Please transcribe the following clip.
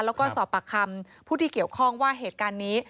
แล้วก็สอบปากคำผู้ที่เกี่ยวข้องว่าเหตุการณ์นี้